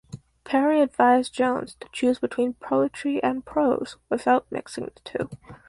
Parry advised Jones to choose between poetry and prose without mixing the two.